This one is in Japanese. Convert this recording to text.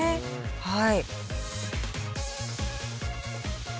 はい。